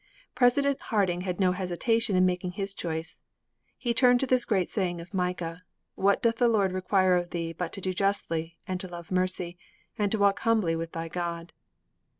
President Harding had no hesitation in making his choice. He turned to this great saying of Micah. '_What doth the Lord require of thee but to do justly and to love mercy and to walk humbly with thy God?